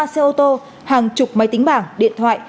ba xe ô tô hàng chục máy tính bảng điện thoại